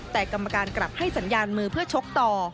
แต่กรรมการกลับให้สัญญาณมือเพื่อชกต่อ